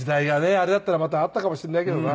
あれだったらまた会ったかもしれないけどな。